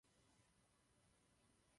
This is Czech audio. Emerich se poté vrátil domů ke své rodině.